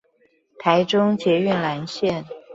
台中捷運藍線